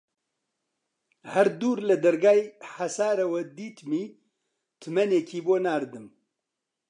هەر دوور لە دەرگای حەسارەوە دیتمی تمەنێکی بۆ ناردم